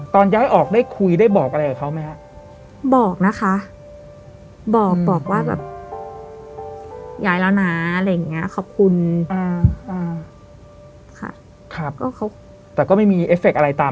พี่ย้ายออกได้คุยได้บอกอะไรกับเขาไหมฮะ